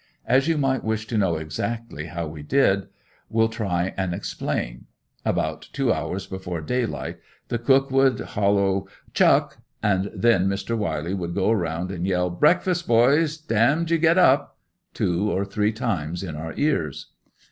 As you might wish to know exactly how we did, will try and explain: About two hours before daylight the cook would holloa "chuck," and then Mr. Wiley would go around and yell "breakfast, boys; d n you get up!" two or three times in our ears.